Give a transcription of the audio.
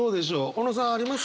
小野さんあります？